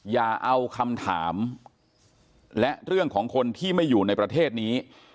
อย่าเอาคำถามและเรื่องของคนที่ไม่อยู่ในประเทศนี้